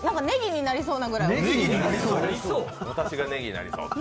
ねぎになりそうなぐらい。